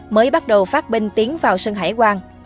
mới bắt đầu phát binh tiến vào sân hải quang